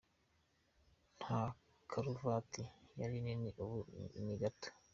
Na karuvati yari nini ubu ni gato; .